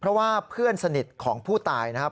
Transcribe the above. เพราะว่าเพื่อนสนิทของผู้ตายนะครับ